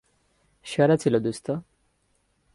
সেরা ছিল দোস্ত।